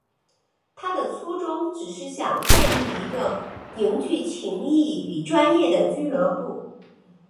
他的初衷只是想建立一个凝聚情谊与专业的俱乐部。